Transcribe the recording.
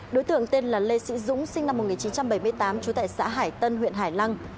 đối tượng tên là lê sĩ dũng sinh năm một nghìn chín trăm bảy mươi tám trú tại xã hải tân huyện hải lăng